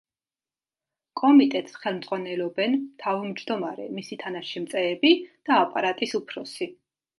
კომიტეტს ხელმძღვანელობენ თავმჯდომარე, მისი თანაშემწეები და აპარატის უფროსი.